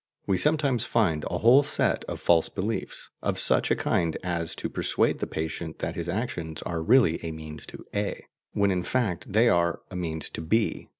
We sometimes find also a whole set of false beliefs, of such a kind as to persuade the patient that his actions are really a means to A, when in fact they are a means to B.